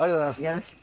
よろしく。